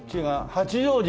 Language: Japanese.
八丈島